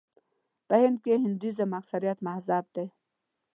په هند کې د هندويزم اکثریت مذهب دی.